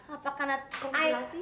apa karena kondulasi